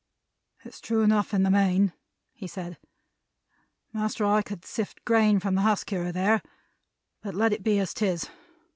"It's true enough in the main," he said, "master, I could sift grain from the husk here and there, but let it be as 'tis.